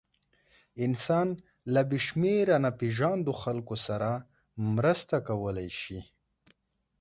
انسان له بېشمېره ناپېژاندو خلکو سره مرسته کولی شي.